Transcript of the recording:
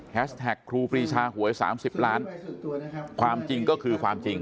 แท็กครูปรีชาหวย๓๐ล้านความจริงก็คือความจริง